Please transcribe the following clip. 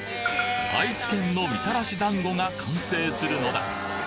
愛知県のみたらしだんごが完成するのだ